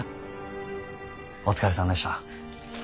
お疲れさんでした。